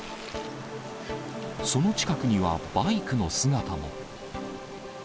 その近くにはバイクの姿も。